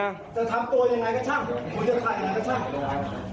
จะทำตัวยังไงก็ช่าง